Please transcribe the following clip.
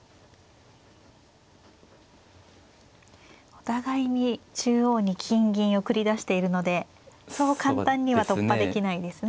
お互いに中央に金銀を繰り出しているのでそう簡単には突破できないですね。